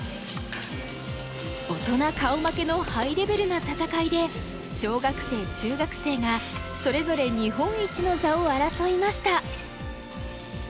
大人顔負けのハイレベルな戦いで小学生中学生がそれぞれ日本一の座を争いました。